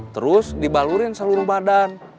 terus dibalurin seluruh badan